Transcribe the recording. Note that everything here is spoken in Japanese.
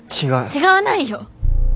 違わないよ。